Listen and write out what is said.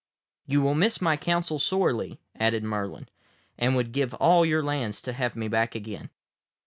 "You will miss my counsel sorely," added Merlin, "and would give all your lands to have me back again."